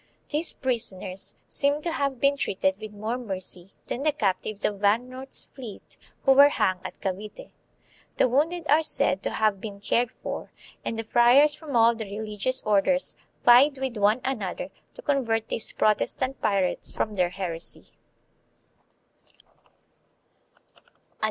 These prisoners seem to have been treated with more mercy than the captives of Van Noort's fleet, who were hung at Cavite. The wounded are said to have been cared for, and the friars from all the religious orders vied with one another to convert these "Protestant pirates" from their heresy.